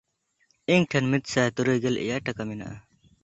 ᱤᱧ ᱴᱷᱮᱱ ᱢᱤᱫᱥᱟᱭ ᱛᱩᱨᱩᱭᱜᱮᱞ ᱮᱭᱟᱭ ᱴᱟᱠᱟ ᱢᱮᱱᱟᱜᱼᱟ᱾